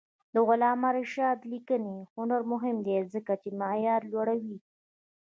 د علامه رشاد لیکنی هنر مهم دی ځکه چې معیار لوړوي.